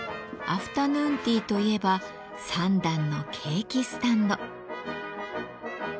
アフタヌーンティーといえば３段のケーキスタンド。